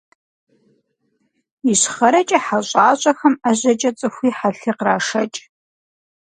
Ищхъэрэкӏэ хьэ щӏащӏэхэм ӏэжьэкӏэ цӏыхуи хьэлъи кърашэкӏ.